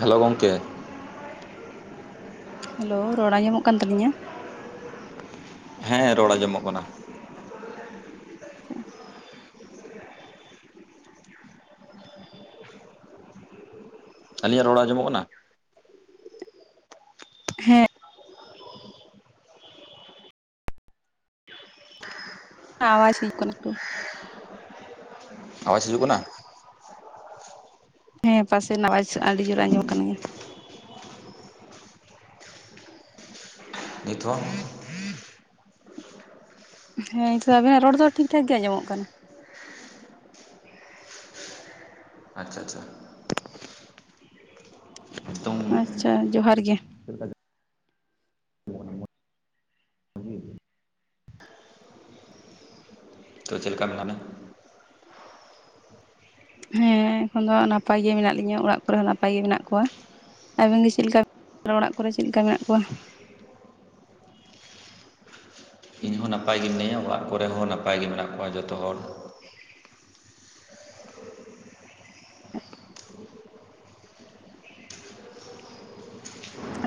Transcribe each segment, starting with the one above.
Hello ᱜᱚᱢᱠᱮ ᱾ Hello ᱨᱚᱲ ᱟᱡᱚᱢᱚᱜ ᱠᱟᱱ ᱛᱟᱞᱤᱧᱟ᱾ ᱦᱮᱸ ᱨᱚᱲ ᱟᱸᱡᱚᱢᱚᱜ ᱠᱟᱱᱟ ᱾ ᱟᱹᱞᱤᱧᱟᱜ ᱨᱚᱲ ᱟᱡᱚᱢᱚᱜ ᱠᱟᱱᱟ? ᱦᱮᱸ ᱟᱣᱟᱡ ᱦᱤᱡᱩᱜ ᱠᱟᱱᱟ ᱮᱠᱴᱩ ᱾ ᱟᱣᱟᱡ ᱦᱤᱡᱩᱜ ᱠᱟᱱᱟ? ᱦᱮᱸ ᱯᱟᱥᱮ ᱨᱮᱱᱟᱜ ᱟᱣᱟᱡ ᱟᱹᱰᱤ ᱡᱳᱨ ᱟᱸᱡᱚᱢ ᱠᱟᱱ ᱜᱮᱭᱟ᱾ ᱱᱤᱛ ᱦᱚ? ᱦᱮᱸ ᱟᱵᱮᱱᱟᱜ ᱨᱚᱲ ᱫᱚ ᱴᱷᱤᱠ ᱴᱷᱟᱠ ᱜᱮ ᱟᱸᱡᱚᱢᱚᱜ ᱠᱟᱱᱟ ᱾ ᱟᱪᱪᱷᱟ, ᱟᱪᱪᱷᱟ ᱾ ᱟᱪᱪᱷᱟ ᱡᱚᱦᱟᱨ ᱜᱮ ᱾ [inaudible] ᱦᱮᱸ ᱮᱠᱷᱚᱱ ᱫᱚ ᱱᱟᱯᱟᱭ ᱜᱮ ᱢᱮᱱᱟ ᱞᱤᱧᱟᱹ ᱚᱲᱟᱜ ᱠᱚᱨᱮ ᱦᱚᱸ ᱱᱟᱯᱟᱭ ᱜᱮ ᱢᱮᱱᱟᱜ ᱠᱚᱣᱟ᱾ ᱟᱵᱤᱱ ᱜᱮ ᱪᱮᱫ ᱞᱮᱠᱟ ᱚᱲᱟᱜ ᱠᱚᱨᱮ ᱪᱮᱫ ᱞᱮᱠᱟ ᱢᱮᱱᱟᱜ ᱠᱚᱣᱟ? ᱤᱧᱦᱚᱸ ᱱᱟᱯᱟᱭ ᱜᱮ ᱢᱤᱱᱟᱹᱧᱟ ᱚᱲᱟᱜ ᱠᱚᱨᱮ ᱦᱚᱸ ᱱᱟᱯᱟᱭ ᱜᱮ ᱢᱮᱱᱟᱜ ᱠᱚᱣᱟ ᱡᱚᱛᱚ ᱦᱚᱲ᱾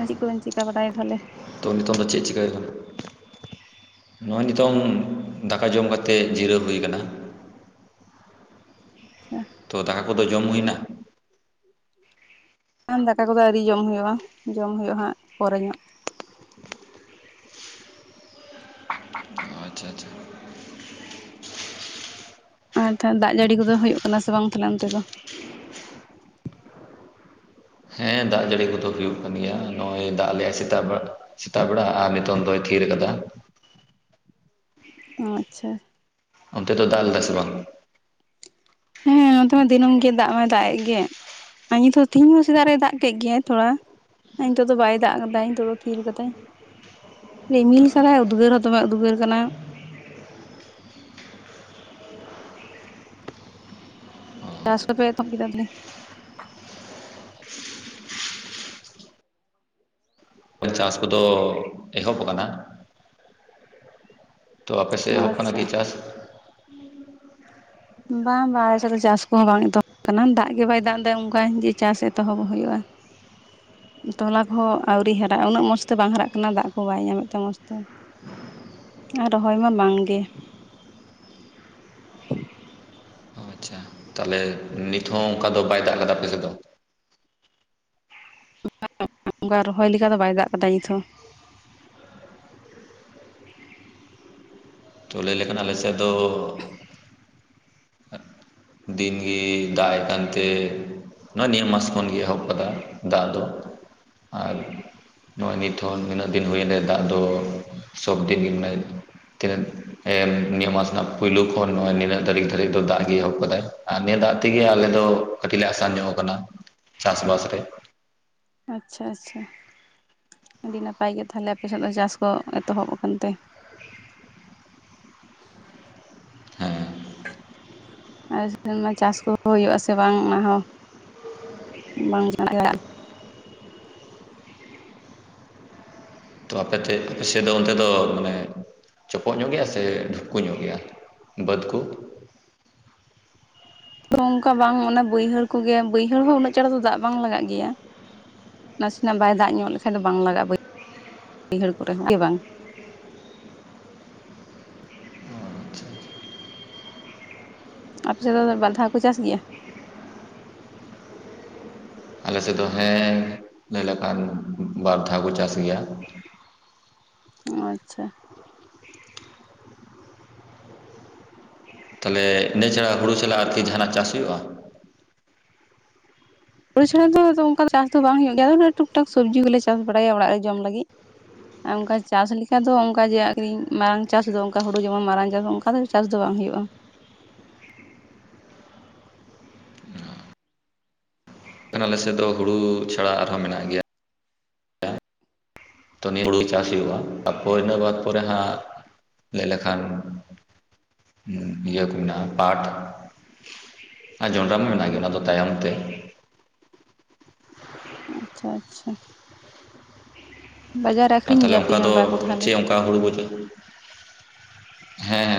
ᱪᱮᱫ ᱠᱚ ᱵᱤᱱ ᱪᱤᱠᱟᱹ ᱵᱟᱰᱟᱭᱟ ᱛᱟᱦᱚᱞᱮ᱾ ᱛᱚ ᱱᱤᱛᱳ ᱫᱚ ᱪᱮᱫ ᱪᱤᱠᱟᱹᱭ ᱦᱳᱭᱳᱜ‌ ᱠᱟᱱᱟ? ᱱᱚᱜᱼᱚᱭ ᱱᱤᱛᱳᱝ ᱫᱟᱠᱟ ᱡᱚᱢ ᱠᱟᱛᱮ ᱡᱤᱨᱟᱹᱣ ᱦᱩᱭᱩ ᱟᱠᱟᱱᱟ᱾ [unintelligible] ᱛᱚ ᱫᱟᱠᱟ ᱠᱚᱫᱚ ᱡᱚᱢ ᱦᱩᱭᱱᱟ? ᱟᱨ ᱫᱟᱠᱟ ᱠᱚᱫᱚ ᱟᱭᱨᱤ ᱡᱚᱢ ᱦᱩᱭᱩᱜᱼᱟ ᱡᱚᱢ ᱦᱩᱭᱩᱜᱼᱟ ᱦᱟᱸᱜ ᱯᱚᱨᱮ ᱧᱚᱝ ᱾ ᱚ ᱟᱪᱪᱷᱟ, ᱟᱪᱪᱷᱟ ᱾ ᱟᱨ ᱛᱟᱦᱚᱞᱮ ᱫᱟᱜ ᱡᱟᱹᱲᱤ ᱠᱚᱫᱚ ᱦᱩᱭᱩᱜ ᱠᱟᱱᱟ ᱥᱮ ᱵᱟᱝ ᱛᱟᱦᱚᱞᱮ ᱚᱱᱛᱮ ᱫᱚ? ᱦᱮᱸ ᱫᱟᱜ ᱡᱟᱹᱲᱤ ᱠᱚᱫᱚ ᱦᱩᱭᱩᱜ ᱠᱟᱱ ᱜᱮᱭᱟ ᱟᱨ ᱱᱚᱜᱼᱚᱭ ᱫᱟᱜ ᱟᱫ ᱞᱮᱭᱟᱭ ᱥᱮᱛᱟᱜ ᱵᱮᱲᱟ᱾ ᱥᱮᱛᱟᱜ ᱵᱮᱲᱟ ᱟᱨ ᱱᱤᱛᱳᱜ ᱫᱚᱭ ᱛᱷᱤᱨ ᱠᱟᱫᱟ ᱾ ᱚ ᱟᱪᱪᱷᱟ ᱾ ᱚᱱᱛᱮ ᱫᱚ ᱫᱟᱜ ᱞᱮᱫᱟᱭ ᱥᱮ ᱵᱟᱝ? ᱦᱮᱸ ᱱᱚᱛᱮ ᱢᱟ ᱫᱤᱱᱟᱹᱢ ᱜᱮ ᱫᱟᱜ ᱢᱟᱭ ᱫᱟᱜ ᱮ ᱜᱮ ᱾ ᱱᱤᱛ ᱦᱚᱸ ᱛᱮᱦᱤᱧ ᱦᱚᱸ ᱥᱮᱛᱟᱜ ᱨᱮᱭ ᱫᱟᱜ ᱠᱮᱫ ᱜᱮᱟᱭ ᱛᱷᱚᱲᱟ᱾ ᱱᱤᱛᱳᱜ ᱫᱚ ᱵᱟᱭ ᱫᱟᱜ ᱠᱟᱫᱟᱭ ᱱᱤᱛᱳᱜ ᱫᱚᱭ ᱛᱷᱤᱨ ᱠᱟᱫᱟᱭ᱾ ᱨᱤᱢᱤᱞ [inaudible] ᱩᱫᱽᱜᱟᱹᱨ ᱦᱚᱸ ᱫᱚᱢᱮ ᱩᱫᱽᱜᱟᱹᱨ ᱠᱟᱱᱟ᱾ [unintelligible] ᱪᱟᱥ ᱠᱚᱯᱮ ᱮᱛᱚᱦᱚᱵ ᱠᱮᱫᱟ ᱛᱟᱦᱚᱞᱮ? ᱪᱟᱥ ᱠᱚᱫᱚ ᱮᱦᱚᱵ ᱠᱟᱱᱟ᱾ ᱛᱚ ᱟᱯᱮ ᱚ ᱥᱮᱫ ᱮᱦᱚᱵ ᱠᱟᱱᱟ ᱟᱪᱪᱷᱟ ᱠᱤ ᱪᱟᱥ? ᱵᱟᱝ ᱵᱟᱝ ᱟᱞᱮ ᱥᱮᱫ ᱫᱚ ᱪᱟᱥ ᱠᱚᱦᱚ ᱵᱟᱝ ᱮᱛᱚᱦᱚᱵ ᱟᱠᱟᱱᱟ ᱫᱟᱜ ᱜᱮ ᱵᱟᱭ ᱫᱟᱜ ᱮᱫᱟ ᱚᱱᱠᱟ ᱡᱮ ᱪᱟᱥ ᱮᱛᱚᱦᱚᱵ ᱦᱩᱭᱩᱜᱼᱟ ᱾ [unintelligible] ᱛᱚᱞᱟ ᱠᱚᱦᱚ ᱟᱹᱣᱨᱤ ᱦᱟᱨᱟᱜᱼᱟ ᱩᱱᱟᱹᱜ ᱢᱚᱸᱡᱽ ᱛᱮ ᱵᱟᱝ ᱦᱟᱨᱟᱜ ᱠᱟᱱᱟ ᱫᱟᱜ ᱠᱚ ᱵᱟᱭ ᱧᱟᱢᱮᱫ ᱛᱮ ᱢᱚᱸᱡᱽ ᱛᱮ᱾ ᱟᱨ ᱨᱚᱦᱚᱭ ᱢᱟ ᱵᱟᱝ ᱜᱮ ᱾ [unintelligible] ᱚ ᱟᱪᱪᱷᱟ ᱛᱟᱦᱚᱞᱮ ᱱᱤᱛ ᱦᱚᱸ ᱚᱱᱠᱟ ᱫᱚ ᱵᱟᱭ ᱫᱟᱜ ᱞᱮᱫᱟ ᱟᱯᱮ ᱥᱮᱫ ᱫᱚ? [unintelligible] ᱚᱝᱠᱟ ᱨᱚᱦᱚᱭ ᱞᱮᱠᱟ ᱫᱚ ᱵᱟᱭ ᱫᱟᱜ ᱟᱠᱟᱫᱟ ᱱᱤᱛᱦᱚ᱾ ᱛᱚ ᱞᱟᱹᱭ ᱞᱮᱠᱷᱟᱱ ᱟᱞᱮ ᱥᱮᱫ ᱫᱚᱻ, ᱫᱤᱱ ᱜᱤᱻ ᱫᱟᱜ ᱮᱜ ᱠᱟᱱ ᱛᱮ ᱱᱚᱜᱼᱚᱭ ᱱᱤᱭᱟᱹ ᱢᱟᱥ ᱠᱷᱚᱱᱜᱮ ᱮᱦᱚᱵ ᱠᱟᱫᱟ ᱫᱟᱜ ᱫᱚ ᱟᱨ ᱱᱚᱜᱼᱚᱭ ᱱᱤᱛᱦᱚᱸ ᱱᱤᱱᱟᱹᱜ ᱫᱤᱱ ᱦᱩᱭᱮᱱ ᱨᱮ ᱫᱟᱜ ᱫᱚ ᱥᱚᱵᱫᱤᱱ ᱜᱮ ᱢᱟᱱᱮ ᱛᱤᱱᱟᱹᱜ ᱮ ᱱᱤᱭᱟᱹ ᱢᱟᱥ ᱨᱮᱱᱟᱜ ᱯᱩᱭᱞᱩ ᱠᱷᱚᱱ ᱱᱚᱜᱼᱚᱭ ᱱᱤᱱᱟᱹᱜ ᱫᱷᱟᱹᱨᱤᱠ ᱛᱟᱹᱨᱤᱠ ᱫᱚ ᱫᱟᱜ ᱜᱤ ᱮᱦᱚᱵ ᱠᱟᱫᱟᱭ᱾ ᱟᱨ ᱱᱤᱭᱟᱹ ᱫᱟᱜ ᱛᱮᱜᱮ ᱟᱞᱮ ᱫᱚ ᱠᱟᱹᱴᱤᱡ ᱞᱮ ᱟᱥᱟᱱ ᱧᱚᱜ ᱟᱠᱟᱱᱟ ᱪᱟᱥᱼᱵᱟᱥ ᱨᱮ᱾ ᱟᱪᱪᱷᱟ ᱟᱪᱪᱷᱟ᱾ ᱟᱹᱰᱤ ᱱᱟᱯᱟᱭ ᱜᱮ ᱛᱟᱦᱞᱮ ᱟᱯᱮ ᱥᱮᱫ ᱫᱚ ᱪᱟᱥ ᱠᱚ ᱮᱛᱚᱦᱚᱵ ᱟᱠᱟᱱᱛᱮ᱾ ᱦᱮᱸ [unintelligible] ᱟᱞᱮ ᱥᱮᱱ ᱢᱟ ᱪᱟᱥ ᱠᱚᱦᱚᱸ ᱦᱩᱭᱩᱜᱼᱟ ᱥᱮ ᱵᱟᱝ ᱚᱱᱟ ᱦᱚᱸ ᱵᱟᱝ [inaudible] ᱛᱚ ᱟᱯᱮ ᱛᱷᱮᱡ ᱟᱯᱮ ᱥᱮᱡ ᱫᱚ ᱚᱱᱛᱮ ᱫᱚ ᱢᱟᱱᱮ ᱪᱚᱯᱚᱜ ᱧᱚᱜ ᱜᱮᱭᱟ ᱥᱮ ᱰᱷᱩᱯᱠᱚ ᱧᱚᱜ ᱜᱮᱭᱟ? ᱵᱟᱹᱫᱽ ᱠᱩ ᱛᱚ ᱚᱝᱠᱟ ᱵᱟᱝ ᱚᱱᱮ ᱵᱟᱹᱭᱦᱟᱹᱲ ᱠᱚᱜᱮ ᱵᱟᱹᱭᱦᱟᱹᱲ ᱦᱚᱸ ᱩᱱᱟᱹᱜ ᱪᱟᱸᱲ ᱫᱚ ᱫᱟᱜ ᱵᱟᱝ ᱞᱟᱜᱟᱜ ᱜᱮᱭᱟ᱾ ᱱᱟᱥᱮᱱᱟᱜ ᱵᱟᱭ ᱫᱟᱜ ᱧᱚᱜ ᱞᱮᱠᱷᱟᱡ ᱫᱚ ᱵᱟᱝ ᱞᱟᱜᱟᱜᱼᱟ ᱵᱟᱹᱭ ᱵᱟᱹᱭᱦᱟᱹᱲ ᱠᱚᱨᱮ ᱦᱚᱸ ᱜᱮ ᱵᱟᱝ᱾ ᱟᱪᱪᱷᱟ ᱟᱯᱮ ᱥᱮᱡ ᱫᱚ ᱫᱟ ᱵᱟᱨ ᱫᱷᱟᱣ ᱠᱚ ᱪᱟᱥ ᱜᱮᱭᱟ? ᱟᱞᱮᱥᱮᱫ ᱫᱚ ᱦᱮᱸ ᱞᱟᱹᱭ ᱞᱮᱠᱷᱟᱱ ᱵᱟᱨ ᱫᱷᱟᱣ ᱠᱚ ᱪᱟᱥ ᱜᱮᱭᱟ᱾ ᱚᱸ ᱟᱪᱪᱷᱟ᱾ ᱛᱟᱦᱞᱮ ᱤᱱᱟᱹ ᱪᱷᱟᱲᱟ ᱦᱩᱲᱩ ᱪᱟᱞᱟᱜ ᱟᱨᱠᱤ ᱡᱟᱦᱟᱱᱟᱜ ᱪᱟᱥ ᱦᱩᱭᱩᱜᱼᱟ? ᱦᱩᱲᱩ ᱪᱷᱟᱲᱟ ᱫᱚ ᱟᱫᱚ ᱚᱱᱠᱟ ᱫᱚ ᱪᱟᱥ ᱫᱚ ᱵᱟᱝ ᱦᱩᱭᱩᱜ ᱜᱮᱭᱟ ᱟᱫᱚ ᱚᱱᱟ ᱴᱩᱠ ᱴᱟᱠ ᱥᱚᱵᱽᱡᱤ ᱠᱚᱞᱮ ᱪᱟᱥ ᱵᱟᱲᱟᱭᱟ ᱚᱲᱟᱜ ᱨᱮ ᱡᱚᱢ ᱞᱟᱹᱜᱤᱜ᱾ ᱟ ᱚᱝᱠᱟ ᱪᱟᱥ ᱞᱮᱠᱟ ᱫᱚ ᱚᱱᱠᱟ ᱡᱮ ᱟᱠᱷᱨᱤᱧ ᱢᱟᱨᱟᱝ ᱪᱟᱥ ᱫᱚ ᱚᱱᱠᱟ ᱦᱩᱲᱩ ᱡᱮᱢᱚᱱ ᱢᱟᱨᱟᱝ ᱪᱟᱥ ᱚᱱᱠᱟ ᱫᱚ ᱪᱟᱥ ᱫᱚ ᱵᱟᱝ ᱦᱩᱭᱩᱜᱼᱟ᱾ ᱠᱷᱟᱱ ᱟᱞᱮᱥᱮᱜ ᱫᱚ ᱦᱩᱲᱩ ᱪᱷᱟᱲᱟ ᱟᱨᱦᱚᱸ ᱢᱮᱱᱟᱜ ᱜᱮᱭᱟ᱾ ᱛᱚ ᱱᱤᱭᱟᱹ ᱦᱩᱲᱩ ᱪᱟᱥ ᱦᱩᱭᱩᱜᱼᱟ, ᱛᱟᱯᱚᱨ ᱤᱱᱟᱹ ᱵᱟᱫ ᱯᱚᱨᱮ ᱦᱟᱸᱜ ᱞᱮᱜ ᱞᱮᱠᱷᱟᱱ ᱤᱭᱟᱹ ᱢᱮᱱᱟᱜᱼᱟ ᱯᱟᱴᱷ᱾ ᱟ ᱡᱚᱱᱰᱟ ᱢᱟ ᱢᱮᱱᱟᱜ ᱜᱮᱭᱟ ᱚᱱᱟ ᱫᱚ ᱛᱟᱭᱚᱢ ᱛᱮ᱾ ᱟᱪᱪᱷᱟ ᱟᱪᱪᱷᱟ᱾ ᱵᱟᱡᱟᱨ ᱨᱮ ᱟ ᱟᱠᱷᱨᱤᱧ ᱛᱟᱦᱞᱮ ᱜᱮᱭᱟᱯᱮ ᱚᱱᱠᱟ ᱫᱚ ᱡᱚᱱᱰᱨᱟ ᱠᱚ ᱛᱟᱦᱚᱞᱮ ᱪᱮᱫ ᱚᱱᱠᱟ ᱦᱩᱲᱩ ᱵᱩᱡᱟᱹ ᱦᱮᱸᱻ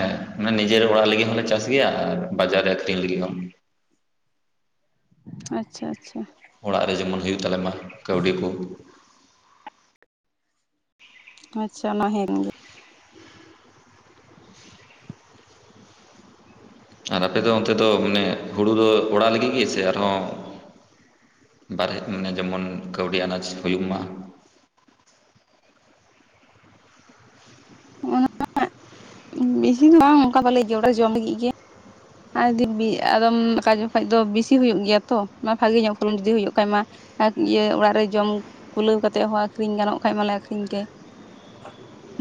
ᱱᱮ ᱱᱤᱡᱮᱨ ᱚᱲᱟᱜ ᱞᱟᱹᱜᱤᱫ ᱦᱚᱞᱮ ᱪᱟᱥ ᱜᱮᱭᱟ ᱟᱨ ᱵᱟᱡᱟᱨ ᱨᱮ ᱟᱠᱷᱨᱤᱧ ᱞᱟᱹᱜᱤᱫ ᱦᱚᱸ᱾ ᱟᱪᱪᱷᱟ ᱟᱪᱪᱷᱟ᱾ ᱚᱲᱟᱜ ᱨᱮ ᱡᱮᱢᱚᱱ ᱦᱩᱭᱩᱜ ᱛᱟᱞᱮᱢᱟ ᱠᱟᱹᱣᱰᱤ ᱠᱚ᱾ ᱟᱪᱪᱷᱟ ᱚᱱᱟ ᱦᱮ ᱠᱟᱱ ᱜᱮᱭᱟ᱾ ᱟᱨ ᱟᱯᱮᱫᱚ ᱚᱱᱛᱮ ᱫᱚ ᱢᱟᱱᱮ ᱦᱩᱲᱩ ᱫᱚ ᱚᱲᱟᱜ ᱞᱟᱹᱜᱤᱫ ᱜᱮ ᱥᱮ ᱟᱨᱦᱚᱸ ᱵᱟᱨᱦᱮ ᱢᱟᱱᱮ ᱡᱮᱢᱚᱱ ᱠᱟᱹᱣᱰᱤ ᱟᱱᱟᱡᱽ ᱦᱩᱭᱩᱜ ᱢᱟ᱾ [unintelligible] ᱵᱤᱥᱤ ᱫᱚ ᱵᱟᱝ ᱚᱱᱠᱟ ᱵᱟᱞᱮ ᱚᱲᱟᱜ ᱨᱮ ᱡᱚᱢ ᱞᱟᱹᱜᱤᱜ ᱜᱮ᱾ ᱟ ᱫᱤᱵᱽᱵᱤ ᱟᱫᱚᱢ ᱠᱟ ᱡᱚᱠᱷᱟᱡ ᱫᱚ ᱵᱮᱥᱤ ᱦᱩᱭᱩᱜ ᱜᱮᱭᱟ ᱛᱚ ᱵᱷᱟᱜᱤ ᱧᱚᱜ ᱯᱷᱚᱞᱚᱱ ᱡᱩᱫᱤ ᱦᱩᱭᱩᱜ ᱠᱷᱟᱡ ᱢᱟ ᱟᱠ ᱤᱭᱟᱹ ᱚᱲᱟᱜ ᱨᱮ ᱡᱚᱢ ᱠᱩᱞᱟᱹᱣ ᱠᱟᱛᱮᱜ ᱦᱚᱸ ᱟᱹᱠᱷᱨᱤᱧ ᱜᱟᱱᱚᱜ ᱠᱷᱟᱡ ᱢᱟᱞᱮ ᱟᱠᱷᱨᱤᱧ ᱜᱮ᱾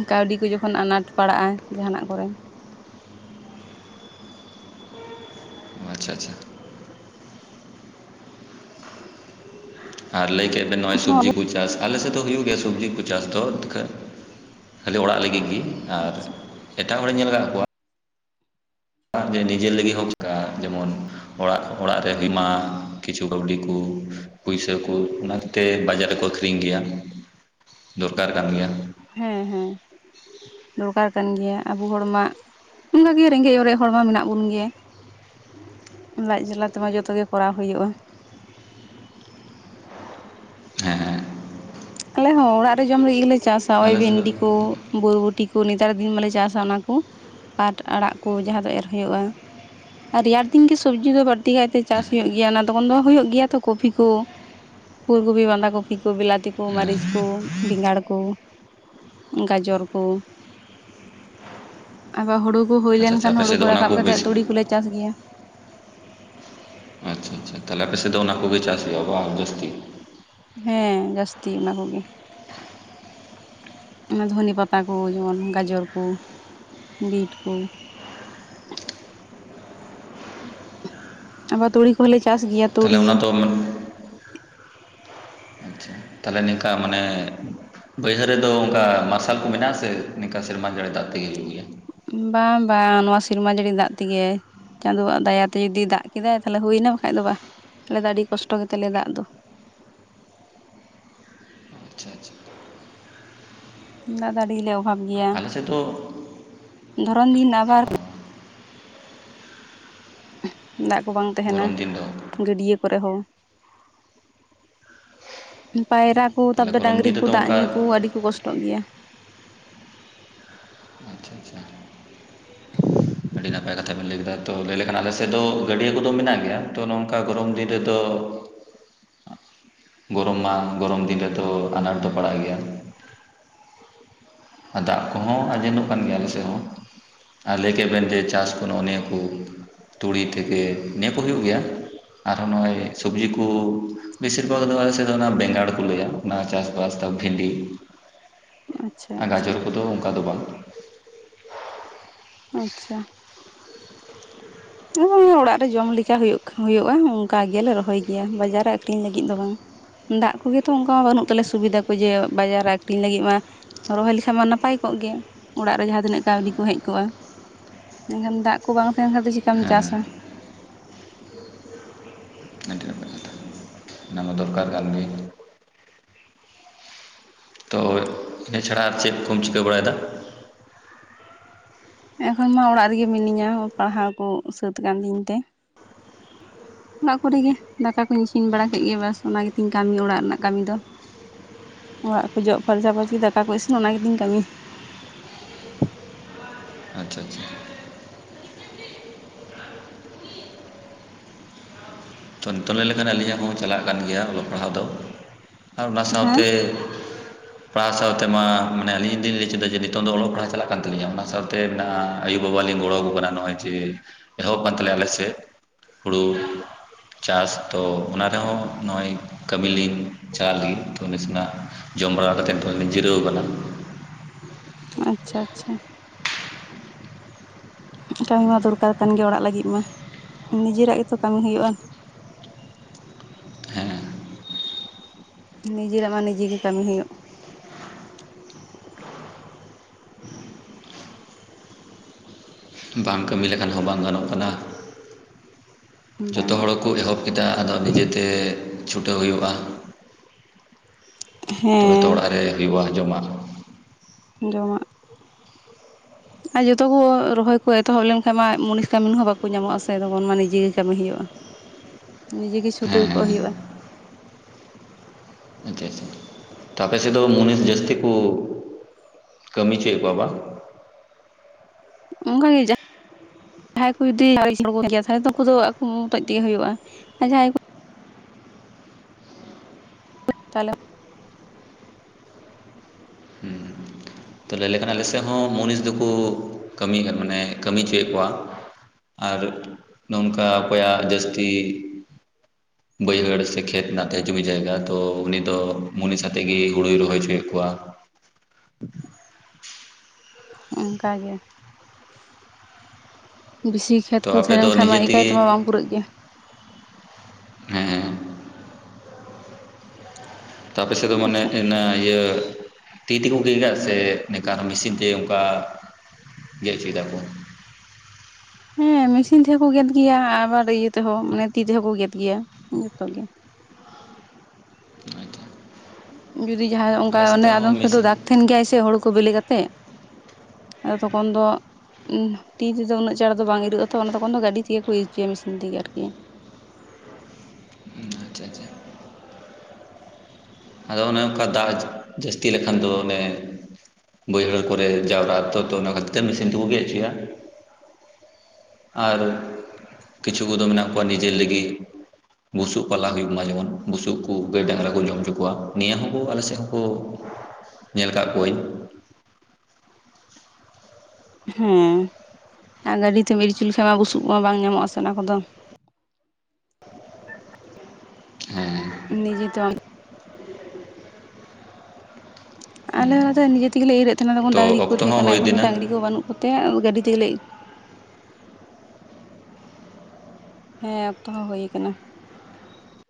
ᱠᱟᱣᱰᱤ ᱠᱚ ᱡᱚᱠᱷᱚᱱ ᱟᱱᱟᱴ ᱯᱟᱲᱟᱜᱼᱟ ᱡᱟᱦᱟᱱᱟᱜ ᱠᱚᱨᱮ᱾ ᱟᱪᱪᱷᱟ ᱟᱪᱪᱷᱟ᱾ ᱟᱨ ᱞᱟᱹᱭ ᱠᱮᱜ ᱵᱮᱱ ᱱᱚᱜᱼᱚᱭ ᱥᱚᱵᱽᱡᱤ ᱦᱚᱸ ᱠᱩ ᱪᱟᱥ ᱟᱞᱮᱥᱮᱫ ᱫᱚ ᱦᱩᱭᱩᱜ ᱜᱮᱭᱟ ᱥᱚᱵᱽᱡᱤ ᱠᱚ ᱪᱟᱥ ᱫᱚ ᱠᱷᱟ ᱠᱷᱟᱞᱤ ᱚᱲᱟᱜ ᱞᱟᱹᱜᱤᱜ ᱜᱤ᱾ ᱟᱨ ᱟᱪᱪᱷᱟ ᱮᱴᱟᱜ ᱦᱚᱲᱮᱧ ᱧᱮᱞ ᱟᱠᱟᱫ ᱠᱚᱣᱟ᱾ ᱟᱜ ᱡᱮ ᱱᱤᱡᱮᱨ ᱞᱟᱹᱜᱤᱜ ᱦᱚᱸᱢ ᱪᱤᱠᱟ ᱡᱮᱢᱚᱱ ᱚᱲᱟᱜ ᱚᱲᱟᱜ [unintelligible] ᱢᱟ ᱠᱤᱪᱷᱩ ᱠᱟᱹᱣᱰᱤ ᱠᱩ, ᱯᱩᱭᱥᱟᱹ ᱠᱩ ᱚᱱᱟ ᱠᱮᱛᱮ ᱵᱟᱡᱟᱨ ᱨᱮᱠᱚ ᱟᱠᱷᱨᱤᱧ ᱜᱮᱭᱟ ᱫᱚᱨᱠᱟᱨ ᱠᱟᱱ ᱜᱮᱭᱟ᱾ ᱦᱮᱸ ᱦᱮᱸ ᱫᱚᱨᱠᱟᱨ ᱠᱟᱱ ᱜᱮᱭᱟ ᱟᱵᱚ ᱦᱚᱲᱢᱟ, ᱚᱱᱠᱟ ᱜᱮ ᱨᱮᱸᱜᱮᱡ ᱚᱨᱮᱡ ᱦᱚᱲ ᱢᱟ ᱢᱮᱱᱟᱜ ᱵᱚᱱ ᱜᱮᱭᱟ᱾ ᱞᱟᱡ ᱡᱟᱞᱟ ᱛᱮᱢᱟ ᱡᱚᱛᱚ ᱜᱮ ᱠᱚᱨᱟᱣ ᱦᱩᱭᱩᱜᱼᱟ᱾ ᱦᱮᱸ ᱦᱮᱸ, ᱟᱞᱮ ᱦᱚᱸ ᱚᱲᱟᱜ ᱨᱮ ᱡᱚᱢ ᱞᱟᱹᱜᱤᱫᱞᱮ ᱪᱟᱥᱟ ᱳᱭ ᱟᱞᱮ ᱥᱮᱫ ᱫᱚ ᱵᱷᱮᱱᱰᱤ ᱠᱳ᱾ ᱵᱚᱨᱵᱚᱴᱤ ᱠᱩ ᱱᱮᱛᱟᱨ ᱫᱤᱱ ᱢᱟᱞᱮ ᱪᱟᱥᱟ ᱚᱱᱟ ᱠᱩ ᱯᱟᱴ ᱟᱲᱟᱜ ᱠᱩ ᱡᱟᱦᱟᱸ ᱫᱚ ᱮᱨ ᱦᱳᱭᱳᱜᱼᱟ᱾ ᱟᱨ ᱨᱮᱭᱟᱲ ᱫᱤᱱ ᱜᱮ ᱥᱳᱵᱡᱤ ᱫᱚ ᱵᱟᱹᱲᱛᱤ ᱠᱟᱭᱛᱮ ᱪᱟᱥᱦᱩᱭᱩᱜ ᱜᱮᱭᱟ ᱚᱱᱟ ᱛᱚᱠᱷᱚᱱ ᱫᱚ ᱦᱩᱭᱩᱜ ᱜᱮᱭᱟ ᱛᱚ ᱠᱚᱯᱷᱤ ᱠᱩ, ᱯᱷᱩᱞ ᱠᱚᱯᱷᱤ ᱵᱟᱫᱷᱟ ᱠᱚᱯᱷᱤ ᱠᱚ ᱵᱤᱞᱞᱟᱛᱤ ᱠᱩ ᱦᱮᱸ ᱢᱟᱹᱨᱤᱪ ᱠᱩ ᱵᱮᱸᱜᱟᱲ ᱠᱩ ᱜᱟᱡᱚᱨ ᱠᱩ᱾ ᱟᱜᱟ ᱦᱩᱬᱩ ᱠᱚ ᱦᱩᱭ ᱟᱪᱪᱷᱟ ᱟᱪᱪᱷᱟ ᱞᱮᱱᱠᱷᱟᱱ ᱟᱯᱮ ᱦᱩᱬᱩ ᱥᱮᱫ ᱠᱚ ᱫᱚ ᱚᱱᱟ ᱨᱟᱠᱟᱵ ᱠᱟᱛᱮᱜ ᱵᱮᱥ ᱛᱩᱲᱤ ᱠᱚᱞᱮ ᱪᱟᱥ ᱜᱮᱭᱟ᱾ [unintelligible] ᱛᱟᱦᱞᱮ ᱟᱯᱮᱥᱮᱫ ᱫᱚ ᱚᱱᱟ ᱠᱚᱜᱮ ᱪᱟᱥ ᱦᱩᱭᱩᱜ-ᱟ ᱵᱟᱝ ᱡᱟᱹᱥᱛᱤ, ᱦᱮᱸ ᱡᱟᱹᱥᱛᱤ ᱚᱱᱟᱠᱚᱜᱮ᱾ ᱚᱱᱟ ᱫᱷᱚᱱᱮᱹ ᱯᱟᱛᱟ ᱠᱚ ᱡᱮᱢᱚᱱ ᱜᱟᱡᱚᱨ ᱠᱩ ᱵᱤᱰ ᱠᱩ᱾ ᱟᱵᱟᱨ ᱛᱩᱲᱤ ᱠᱚᱦᱚᱸᱞᱮ ᱪᱟᱥ ᱜᱮᱭᱟ᱾ ᱛᱟᱦᱞᱮ ᱛᱩᱲᱤ ᱚᱱᱟᱫᱚ, ᱛᱟᱦᱞᱮ ᱱᱤᱝᱠᱟ ᱢᱟᱱᱮ ᱵᱟᱹᱭᱦᱟᱹᱲ ᱨᱮᱫᱚ ᱚᱱᱠᱟ ᱢᱟᱨᱥᱟᱞ ᱠᱚ ᱢᱮᱱᱟᱜᱼᱟ ᱥᱮ ᱱᱤᱝᱠᱟ ᱥᱮᱨᱢᱟ ᱡᱟᱹᱲᱮ ᱫᱟᱜ ᱛᱮᱜᱮ ᱦᱩᱭᱩᱜ ᱜᱮᱭᱟ? ᱵᱟᱝ ᱵᱟᱝ ᱱᱚᱣᱟ ᱥᱮᱨᱢᱟ ᱡᱟᱹᱲᱤ ᱫᱟᱜ ᱛᱤᱜᱮ᱾ ᱪᱟᱸᱫᱳᱣᱟᱜ ᱫᱟᱭᱟᱛᱮ ᱡᱩᱫᱤ ᱫᱟᱜ ᱠᱮᱫᱟᱭ ᱛᱟᱦᱞᱮ ᱦᱩᱭᱱᱟ ᱵᱟᱠᱷᱟᱡ ᱫᱚ ᱵᱟᱦ ᱟᱞᱮ ᱫᱚ ᱟᱹᱰᱤ ᱠᱚᱥᱴᱚ ᱜᱮᱛᱟ ᱞᱮᱭᱟ ᱫᱟᱜ ᱫᱚ᱾ ᱟᱪᱪᱷᱟ ᱟᱪᱪᱷᱟ, ᱫᱟᱜ ᱫᱚ ᱟᱹᱰᱤ ᱜᱮᱞᱮ ᱚᱵᱷᱟᱵ ᱜᱮᱭᱟ ᱟᱞᱮ ᱥᱮᱫ ᱫᱚ ᱫᱷᱚᱨᱚᱱ ᱫᱤᱱ ᱟᱵᱟᱨ ᱚ, [inaudible] ᱫᱟᱜ ᱠᱚ ᱵᱟᱝ ᱛᱟᱦᱮᱱᱟ᱾ ᱜᱚᱨᱚᱢ ᱫᱤᱱ ᱫᱚ ᱜᱟᱹᱰᱭᱟᱹ ᱠᱚᱨᱮ ᱦᱚᱸ ᱯᱟᱭᱨᱟ ᱠᱩ ᱛᱟᱵ ᱛᱟᱦᱚᱞᱮ ᱫᱚ ᱜᱚᱨᱚᱢ ᱰᱟᱝᱨᱤ ᱫᱤᱱ ᱠᱩ ᱨᱮᱫᱚ ᱫᱟᱜ ᱚᱱᱠᱟ ᱧᱩ ᱠᱩ ᱟᱹᱰᱤ ᱠᱩ ᱠᱚᱥᱴᱚ ᱜᱮᱭᱟ᱾ ᱟᱪᱪᱷᱟ ᱟᱪᱪᱷᱟ ᱟᱹᱰᱤ ᱱᱟᱯᱟᱭ ᱠᱟᱛᱷᱟ ᱵᱮᱱ ᱞᱟᱹᱭ ᱠᱮᱫᱟ ᱛᱚ ᱞᱟᱹᱭ ᱞᱮᱠᱷᱟᱱ ᱟᱞᱮᱥᱮᱫ ᱫᱚ ᱜᱟᱹᱰᱭᱟᱹ ᱠᱚᱫᱚ ᱢᱮᱱᱟᱜ ᱜᱮᱭᱟ ᱛᱚ ᱱᱚᱝᱠᱟ ᱜᱚᱨᱚᱢ ᱫᱤᱱ ᱨᱮᱫᱚ, ᱜᱚᱨᱚᱢ ᱢᱟ ᱜᱚᱨᱚᱢ ᱫᱤᱱ ᱨᱮᱫᱚ ᱟᱱᱟᱴ ᱫᱚ ᱯᱟᱲᱟᱜ ᱜᱮᱭᱟ᱾ ᱟᱨ ᱫᱟᱜ ᱠᱚᱦᱚᱸ ᱟᱡᱮᱫᱚᱜ ᱠᱟᱱ ᱜᱮᱭᱟ ᱟᱞᱮᱥᱮᱜ ᱦᱚᱸ᱾ ᱟᱨ ᱞᱟᱹᱭ ᱠᱮᱜ ᱵᱮᱱ ᱡᱮ ᱪᱟᱥ ᱠᱚ ᱱᱚᱜᱼᱚ ᱱᱤᱭᱟᱹ ᱠᱩ ᱛᱩᱲᱤ ᱛᱷᱮᱠᱮ ᱱᱤᱭᱟᱹ ᱠᱚ ᱦᱩᱭᱩᱜ ᱜᱮᱭᱟ᱾ ᱟᱨᱦᱚᱸ ᱱᱚᱜᱼᱚᱭ ᱥᱚᱵᱽᱡᱤ ᱠᱩ ᱵᱮᱥᱤᱨ ᱵᱷᱟᱜᱽ ᱫᱚ ᱟᱞᱮ ᱥᱮᱜ ᱫᱚ ᱚᱱᱟ ᱵᱮᱸᱜᱟᱲ ᱠᱚ ᱞᱟᱹᱭᱟ᱾ ᱚᱱᱟ ᱪᱟᱥᱵᱟᱥ [unintelligible] ᱵᱷᱤᱱᱰᱤ᱾ ᱟᱪᱪᱷᱟ ᱟᱨ ᱟᱪᱪᱷᱟ ᱜᱟᱡᱚᱨ ᱠᱚᱫᱚ ᱚᱱᱠᱟ ᱫᱚ ᱵᱟᱝ᱾ ᱟᱪᱪᱷᱟ, [unintelligible] ᱚᱲᱟᱜ ᱨᱮ ᱡᱚᱢ ᱞᱮᱠᱟ ᱦᱩᱭᱩᱜᱠᱷᱟ ᱦᱩᱭᱩᱜᱼᱟ ᱚᱱᱠᱟ ᱜᱮᱞᱮ ᱨᱚᱦᱚᱭ ᱜᱮᱭᱟ ᱵᱟᱡᱟᱨ ᱨᱮ ᱟᱠᱷᱨᱤᱧ ᱞᱟᱹᱜᱤᱫ ᱫᱚ ᱵᱟᱝ-ᱟ᱾ ᱫᱟᱜ ᱠᱚᱜᱮᱛᱚ ᱚᱱᱠᱟ ᱵᱟᱹᱱᱩᱜ ᱛᱟᱞᱮᱭᱟ ᱥᱩᱵᱤᱫᱟ ᱠᱚ ᱡᱮ ᱵᱟᱡᱟᱨ ᱨᱮ ᱟᱠᱷᱨᱤᱧ ᱞᱟᱹᱜᱤᱜ ᱢᱟ ᱨᱚᱦᱚᱭ ᱞᱮᱠᱷᱟᱡ ᱢᱟ ᱱᱟᱯᱟᱭ ᱠᱚᱜ ᱜᱮᱭᱟ ᱚᱲᱟᱜ ᱨᱮ ᱡᱟᱦᱟᱸ ᱛᱤᱱᱟᱹᱜ ᱠᱟᱹᱣᱰᱤ ᱠᱚ ᱦᱮᱡ ᱠᱚᱜᱼᱟ᱾ ᱢᱮᱱᱠᱷᱟᱱ ᱫᱟᱜ ᱠᱚ ᱵᱟᱝ ᱛᱟᱦᱮᱱ ᱠᱷᱟᱱ ᱫᱚ ᱪᱤᱠᱟᱢ ᱦᱮᱸ ᱪᱟᱥ-ᱟ᱾ ᱚᱱᱟᱢᱟ ᱫᱚᱨᱠᱟᱨ ᱠᱟᱱ ᱜᱮ᱾ ᱛᱚ [inaudible] ᱤᱱᱟᱹ ᱪᱷᱟᱲᱟ ᱟᱨ ᱪᱮᱫ ᱠᱚᱢ ᱪᱤᱠᱟᱹ ᱵᱟᱲᱟᱭ ᱫᱟ? ᱮᱠᱷᱚᱱ ᱢᱟ ᱚᱲᱟᱜ ᱨᱤᱜᱮ ᱢᱤᱱᱟᱹᱧᱟ ᱯᱟᱲᱦᱟᱣ ᱠᱚ ᱥᱟᱹᱛ ᱠᱟᱱ ᱛᱤᱧ ᱛᱮ᱾ ᱚᱲᱟᱜ ᱠᱚᱨᱤᱜ ᱜᱮ ᱫᱟᱠᱟ ᱠᱚᱧ ᱤᱥᱤᱱ ᱵᱟᱲᱟ ᱠᱮᱜ ᱜᱮ ᱵᱟᱥ ᱚᱱᱟ ᱜᱮᱛᱤᱧ ᱠᱟᱹᱢᱤ ᱚᱲᱟᱜ ᱨᱮᱱᱟᱜ ᱠᱟᱹᱢᱤ ᱫᱚ᱾ ᱚᱲᱟᱜ ᱠᱚ ᱡᱚᱜ ᱯᱷᱟᱨᱪᱟ ᱯᱷᱟᱹᱨᱪᱤ ᱫᱟᱠᱟ ᱠᱚ ᱤᱥᱤᱱ ᱚᱱᱟ ᱜᱮᱤᱫᱤᱧ ᱠᱟᱹᱢᱤ᱾ ᱟᱪᱪᱷᱟ, ᱟᱪᱪᱷᱟ᱾ ᱛᱚ ᱱᱤᱛᱚᱝ ᱞᱟᱹᱭ ᱞᱮᱠᱷᱟᱱ ᱟᱹᱞᱤᱧᱟᱜ ᱦᱚᱸ ᱪᱟᱞᱟᱜ ᱠᱟᱱ ᱜᱮᱭᱟ ᱚᱞᱚᱜ ᱯᱟᱲᱦᱟᱜ ᱫᱚ᱾ ᱟᱨ ᱚᱱᱟ ᱥᱟᱶ ᱦᱮᱸ ᱛᱮ ᱯᱟᱲᱦᱟᱣ ᱥᱟᱶᱛᱮ ᱢᱟ ᱟᱹᱞᱤᱧ ᱞᱤᱧ ᱞᱟᱹᱭ ᱪᱮᱫᱟ ᱡᱮ ᱱᱤᱛᱚᱝ ᱫᱚ ᱚᱞᱚᱜ ᱯᱟᱲᱦᱟᱜ ᱪᱟᱞᱟᱜ ᱠᱟᱱ ᱛᱟᱹᱞᱤᱧᱟ ᱚᱱᱟ ᱥᱟᱶᱛᱮ ᱢᱮᱱᱟᱜᱼᱟ ᱟᱹᱭᱳ ᱵᱟᱵᱟᱱ ᱞᱤᱧ ᱜᱚᱲᱚ ᱟᱠᱚ ᱠᱟᱱᱟ ᱱᱚᱜᱼᱚᱭ ᱢᱮ ᱮᱦᱚᱵ ᱟᱠᱟᱱ ᱛᱟᱞᱮᱭᱟ ᱟᱞᱮ ᱥᱮᱫ ᱦᱩᱲᱩ ᱪᱟᱥ ᱛᱚ ᱚᱱᱟ ᱨᱮᱦᱚᱸ ᱱᱚᱜᱼᱚᱭ ᱠᱟᱹᱢ ᱞᱤᱧ ᱪᱟᱞᱟᱜ ᱞᱟᱹᱜᱤᱫ ᱛᱚ ᱱᱟᱥᱮᱱᱟᱜ ᱡᱚᱢ ᱵᱟᱲᱟ ᱠᱟᱛᱮ ᱛᱷᱟᱲᱟ ᱞᱤᱧ ᱡᱤᱨᱟᱹᱣ ᱟᱠᱟᱱᱟ᱾ ᱟᱪᱪᱷᱟ, ᱟᱪᱪᱷᱟ᱾ ᱠᱟᱹᱢᱤ ᱢᱟ ᱫᱚᱨᱠᱟᱨ ᱠᱟᱱ ᱜᱮᱭᱟ ᱚᱲᱟᱜ ᱞᱟᱹᱜᱤᱫ ᱢᱟ, ᱱᱤᱡᱮᱨᱟᱜ ᱜᱮᱛᱚ ᱠᱟᱹᱢᱤ ᱦᱩᱭᱩᱜᱼᱟ᱾ ᱦᱮᱸ ᱱᱤᱡᱮᱨᱟᱜ ᱢᱟ ᱱᱤᱡᱮᱜ ᱜᱮ ᱠᱟᱹᱢᱤ ᱦᱩᱭᱩᱜ᱾ ᱵᱟᱝ ᱠᱟᱹᱢᱤ ᱞᱮᱠᱷᱟᱱ ᱦᱚᱸ ᱵᱟᱝ ᱜᱟᱱᱚᱜ ᱠᱟᱱᱟ᱾ ᱡᱚᱛᱚ ᱵᱟᱝ ᱦᱚᱲ ᱠᱚ ᱮᱦᱚᱵ ᱠᱮᱫᱟ ᱟᱫᱚ ᱱᱤᱡᱮᱛᱮ ᱪᱷᱩᱴᱟᱹᱣ ᱦᱩᱭᱩᱜᱼᱟ᱾ ᱦᱮᱸ᱾ ᱡᱚᱛᱚ ᱚᱲᱟᱜ ᱨᱮ ᱦᱩᱭᱩᱜᱼᱟ ᱡᱚᱢᱟᱜ᱾ ᱡᱚᱢᱟᱜ᱾ ᱟᱨ ᱡᱚᱛᱚ ᱠᱚ ᱨᱚᱦᱚᱭ ᱠᱚ ᱮᱛᱚᱦᱚᱵ ᱞᱮᱱᱠᱷᱟᱱ ᱢᱟ ᱢᱚᱱᱤᱱ ᱠᱟᱢᱤᱱ ᱦᱚᱸ ᱵᱟᱠᱚ ᱧᱟᱢᱚᱜᱼᱟ ᱥᱮ ᱛᱚᱠᱷᱚᱱ ᱢᱟ ᱱᱤᱡᱮ ᱜᱮ ᱠᱟᱹᱢᱤ ᱦᱩᱭᱩᱜᱼᱟ᱾ ᱱᱤᱡᱮ ᱜᱮ ᱦᱮᱸ ᱪᱷᱩᱴᱟᱹᱣ ᱠᱚᱜ ᱦᱮᱸ ᱦᱩᱭᱩᱜᱼᱟ᱾ ᱟᱪᱪᱷᱟ, ᱟᱪᱷᱟ᱾ ᱛᱚ ᱟᱯᱮ ᱥᱮᱫ ᱫᱚ ᱢᱩᱱᱤᱥ ᱡᱟᱹᱥᱛᱤ ᱠᱚ ᱠᱟᱹᱢᱤ ᱪᱚᱭᱮᱫ ᱠᱚᱣᱟ ᱵᱟ? ᱚᱱᱠᱟ ᱜᱮ ᱡᱟ ᱡᱟᱦᱟᱸᱭ ᱠᱚ ᱡᱩᱫᱤ [unintelligible] ᱜᱮᱭᱟ ᱛᱟᱦᱮ ᱩᱱᱠᱩ ᱫᱚ ᱟᱠᱚ ᱢᱚᱛᱚᱡ ᱛᱮᱜᱮ ᱦᱩᱭᱩᱜᱼᱟ᱾ ᱟᱨ ᱡᱟᱦᱟᱭ ᱠᱚ -ᱼ ᱛᱟᱦᱚᱞᱮ [unintelligible] ᱛᱚ ᱞᱟᱹᱭ ᱞᱮᱠᱷᱟᱱ ᱟᱞᱮ ᱥᱮᱫ ᱦᱚᱸ ᱢᱩᱱᱤᱥ ᱫᱚᱠᱚ ᱠᱟᱹᱢᱤᱭ ᱫᱟ ᱢᱟᱱᱮ ᱠᱟᱹᱢᱤ ᱦᱚᱪᱚᱭᱮᱫ ᱠᱚᱣᱟ᱾ ᱟᱨ ᱱᱚᱝᱠᱟ ᱚᱠᱚᱭᱟᱜ ᱡᱟᱹᱥᱛᱤ [inaudible] ᱵᱟᱹᱭᱦᱟᱹᱲ ᱥᱮ ᱠᱷᱮᱛ ᱢᱮᱱᱟᱜ ᱛᱟᱭᱟ ᱡᱩᱢᱤ ᱡᱟᱭᱜᱟ ᱛᱳ ᱩᱱᱤ ᱫᱚ ᱢᱩᱱᱤᱥ ᱟᱛᱮᱜ ᱜᱮ ᱦᱩᱲᱩᱭ ᱨᱚᱦᱚᱭ ᱪᱚᱭᱮᱫ ᱠᱚᱣᱟ᱾ ᱚᱱᱠᱟ ᱜᱮ᱾ ᱵᱮᱥᱤ ᱠᱷᱮᱛ ᱛᱚ ᱠᱚ ᱟᱯᱮ ᱛᱟᱦᱮᱸ ᱞᱮᱱ ᱫᱚ ᱠᱷᱟᱱ ᱢᱟ ᱱᱤᱡᱮ ᱮᱠᱟᱭ ᱛᱮᱜᱮ ᱛᱮᱢᱟ ᱵᱟᱢ ᱯᱩᱨᱟᱹᱜ ᱜᱮᱭᱟ᱾ ᱦᱮᱸ᱾ ᱛᱚ ᱟᱯᱮ ᱥᱮᱫ ᱫᱚ ᱢᱟᱱᱮ ᱟᱪᱪᱷᱟ ᱚᱱᱟ ᱤᱭᱟᱹ ᱛᱤ ᱛᱮᱠᱚ ᱜᱮᱫᱟ ᱥᱮ ᱱᱤᱝᱠᱟ ᱟᱨᱦᱚ ᱢᱮᱥᱤᱱ ᱛᱮ ᱱᱚᱝᱠᱟ ᱜᱮᱜ ᱪᱩᱭ ᱫᱟᱠᱚ? ᱦᱮᱸ ᱢᱮᱥᱤᱱ ᱛᱮᱦᱚᱸ ᱠᱚ ᱜᱮᱫ ᱜᱮᱭᱟ, ᱟᱵᱟᱨ ᱤᱭᱟᱹ ᱛᱮᱦᱚᱸ ᱢᱟᱱᱮ ᱛᱤ ᱛᱮᱦᱚᱸ ᱠᱚ ᱜᱮᱫ ᱜᱮᱭᱟ, ᱡᱷᱚᱛᱚ ᱜᱮ᱾ ᱟᱪᱪᱷᱟ ᱡᱩᱫᱤ ᱡᱟᱦᱟᱸᱭ ᱚᱱᱠᱟ ᱟᱞᱮ ᱚᱱᱮ ᱟᱫᱚᱢ ᱦᱚᱸ ᱥᱮᱫ ᱫᱚ ᱢᱮᱥᱤᱱ ᱫᱟᱜᱽ ᱛᱟᱦᱮᱱ ᱜᱮᱭᱟᱭ ᱥᱮ ᱦᱳᱲᱳ ᱠᱚ ᱵᱮᱞᱤ ᱠᱟᱛᱮᱜ᱾ ᱟᱫᱚ ᱛᱚᱠᱷᱚᱱ ᱫᱚ ᱛᱤ ᱛᱮᱫᱚ ᱩᱱᱟᱹᱜ ᱪᱟᱬ ᱫᱚ ᱵᱟᱝ ᱤᱨᱳᱚᱜᱼᱟ ᱛᱚ ᱚᱱᱟ ᱛᱚᱠᱷᱚᱱ ᱫᱚ ᱜᱟᱹᱰᱤ ᱛᱮᱜᱮ ᱠᱚ ᱤᱨ ᱦᱚᱪᱚᱭᱟ ᱢᱮᱥᱤᱱ ᱛᱮᱜᱮ ᱟᱨᱠᱤ᱾ ᱦᱩᱸ ᱟᱪᱪᱷᱟ, ᱟᱪᱪᱷᱟ᱾ ᱟᱫᱚ ᱚᱱᱮ ᱚᱱᱠᱟ ᱫᱟᱜ ᱡᱟᱹᱥᱛᱤ ᱞᱮᱠᱷᱟᱱ ᱫᱚ ᱚᱱᱮ ᱵᱟᱹᱭᱦᱟᱹᱲ ᱠᱚᱨᱮ ᱡᱟᱣᱨᱟᱜᱼᱟ ᱛᱚ, ᱛᱚ ᱚᱱᱟ ᱠᱷᱟᱹᱛᱤᱨ ᱛᱮ ᱢᱮᱥᱤᱱ ᱛᱮᱠᱩ ᱜᱮᱫ ᱦᱚᱪᱚᱭᱟ᱾ ᱟᱨ ᱠᱤᱪᱷᱩ ᱠᱚᱫᱚ ᱢᱮᱱᱟᱜ ᱠᱚᱣᱟ ᱱᱤᱡᱮᱨ ᱞᱟᱹᱜᱤᱫ᱾ ᱵᱩᱥᱩᱵ ᱯᱟᱞᱟ ᱦᱩᱭᱩᱜ ᱢᱟ ᱡᱮᱢᱚᱱ, ᱵᱩᱥᱩᱵ ᱠᱚ ᱜᱟᱹᱭ ᱰᱟᱝᱨᱟ ᱠᱚ ᱡᱚᱢ ᱦᱚᱪᱚ ᱠᱚᱣᱟ, ᱱᱤᱭᱟᱹ ᱦᱚᱸᱠᱚ ᱟᱞᱮ ᱥᱮᱫ ᱦᱚᱸᱠᱚ ᱧᱮᱞ ᱠᱟᱜ ᱠᱚᱣᱟᱹᱧ ᱦᱮᱸ ᱟᱨ ᱜᱟᱹᱰᱤ ᱛᱮᱢ ᱤᱨ ᱚᱪᱚ ᱞᱮᱠᱷᱟᱱᱡ ᱢᱟ ᱵᱩᱥᱩᱵ ᱠᱚ ᱢᱟ ᱵᱟᱝ ᱧᱟᱢᱚᱜ ᱟ ᱥᱮ ᱚᱱᱟ ᱠᱚᱫᱚ᱾ ᱦᱮᱸ ᱱᱤᱡᱮ ᱛᱮ ᱟᱞᱮ ᱦᱚ ᱫᱟᱹᱭ ᱱᱤᱡᱮ ᱛᱮᱜᱮ ᱞᱮ ᱤᱨᱮᱫ ᱛᱟᱦᱮᱱᱟ, ᱛᱚᱠᱷᱚᱱ ᱛᱚ ᱰᱟᱹᱝᱨᱤ ᱠᱚ ᱚᱠᱛᱚ ᱛᱟᱦᱮᱸ ᱦᱚᱸ ᱠᱟᱱᱟ ᱦᱩᱭ ᱮᱠᱷᱚᱱ ᱫᱚ ᱤᱫᱤᱱᱟ ᱰᱟᱹᱝᱨᱤ ᱠᱚ ᱵᱟᱹᱱᱩᱜ ᱠᱚᱛᱮ ᱜᱟᱹᱰᱤ ᱛᱮᱜᱮ ᱞᱮ ᱦᱮᱸ ᱚᱠᱛᱚ ᱦᱚᱸ ᱦᱩᱭ ᱟᱠᱟᱱᱟ᱾